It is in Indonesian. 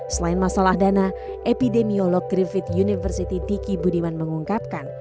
selain masalah dana epidemiolog griffith university diki budiman mengungkapkan